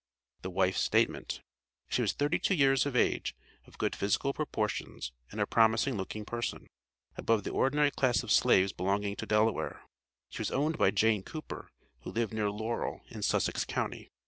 THE WIFE'S STATEMENT She was thirty two years of age, of good physical proportions, and a promising looking person, above the ordinary class of slaves belonging to Delaware. She was owned by Jane Cooper, who lived near Laurel, in Sussex county.